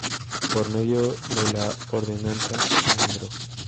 Por medio de la Ordenanza No.